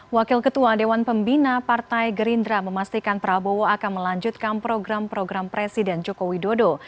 wakil ketua dewan pembina partai gerindra memastikan prabowo akan melanjutkan program program presiden joko widodo